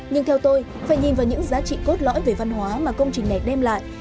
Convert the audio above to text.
nhưng theo tôi phải nhìn vào những giá trị cốt lõi về văn hóa mà công trình này đem lại